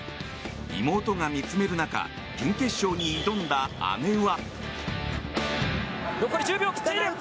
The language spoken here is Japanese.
妹が見つめる中準決勝に挑んだ姉は。